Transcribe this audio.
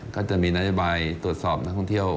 ก็จะมีนโยบายตรวจสอบนักท่องเที่ยว